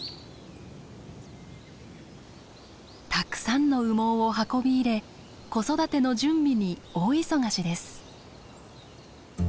たくさんの羽毛を運び入れ子育ての準備に大忙しです。